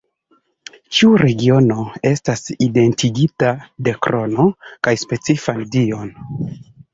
Ĉiu regiono estis identigita de krono kaj specifan dion.